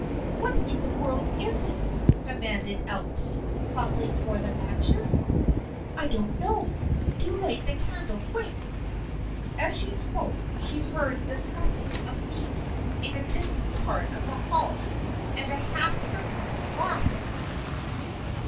" What in the world is it ?" demanded Elsie, fumbling for the matches. " I don't know. Do light the candle, quick !" As she spoke she heard the scuffling of feet in a distant part of the hall and a half suppressed laugh.